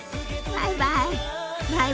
バイバイ。